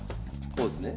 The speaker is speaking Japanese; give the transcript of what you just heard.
こうですね？